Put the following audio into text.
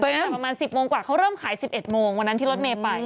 ประมาณ๑๐โมงกว่าเขาเริ่มขาย๑๑โมงวันนั้นที่รถเมย์ไป